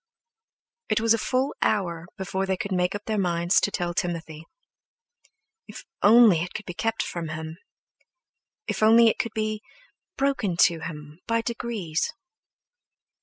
It was a full hour before they could make up their minds to tell Timothy. If only it could be kept from him! If only it could be broken to him by degrees!